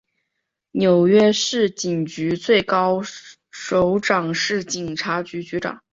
纽约市警察局最高首长是警察局长。